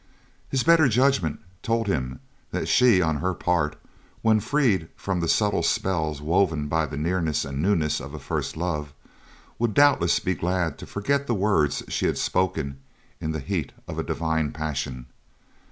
His better judgment told him that she, on her part, when freed from the subtle spell woven by the nearness and the newness of a first love, would doubtless be glad to forget the words she had spoken in the heat of a divine passion.